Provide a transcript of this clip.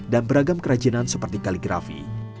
dan beragam kerajinan seperti kaligrafi